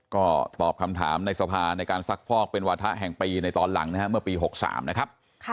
ก็ตอบคำถามในสภาในการซักฟอกเป็นวาถะแห่งปีในตอนหลังนะครับเมื่อปี๖๓นะครับ